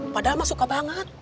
padahal mas suka banget